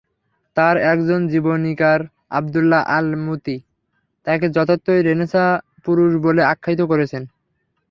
তাঁর একজন জীবনীকার আবদুল্লাহ আল-মূতী তাঁকে যথার্থই রেনেসাঁ-পুরুষ বলে আখ্যায়িত করেছেন।